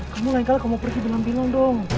kamu lain kali kamu pergi bilang bilang dong